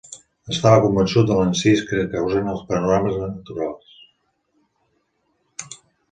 Estava convençut de l'encís que causen els panorames naturals